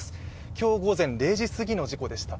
今日午前０時すぎの事故でした。